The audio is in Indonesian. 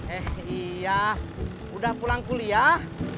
eh iya udah pulang kuliah